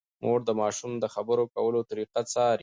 مور د ماشوم د خبرو کولو طریقه څاري۔